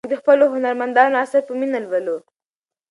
موږ د خپلو هنرمندانو اثار په مینه لولو.